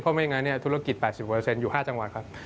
เพราะไม่อย่างนั้นธุรกิจ๘๐อยู่๕จังหวัด